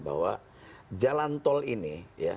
bahwa jalan tol ini